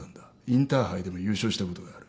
インターハイでも優勝したことがある。